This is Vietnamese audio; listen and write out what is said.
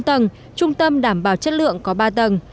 trường đại học vinh có bốn tầng trung tâm đảm bảo chất lượng có ba tầng